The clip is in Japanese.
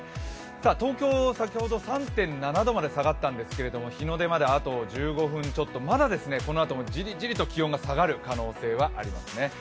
東京、先ほど３．７度まで下がったんですけれども、日の出まであと１５分ちょっと、まだこのあともじりじりと気温が下がる可能性がありますね。